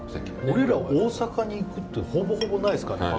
俺ら大阪に行くってほぼほぼないですからね。